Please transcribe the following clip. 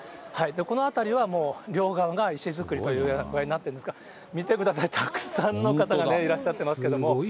この辺りはもう両側が石造りという具合になってるんですが、見てください、たくさんの方がいらっしゃってますけども。